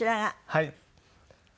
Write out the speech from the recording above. はい。